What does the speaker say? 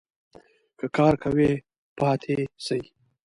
که کار کوی ؟ پاته سئ